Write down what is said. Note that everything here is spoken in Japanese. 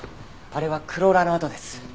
あれはクローラーの痕です。